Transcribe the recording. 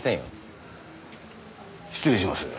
失礼します。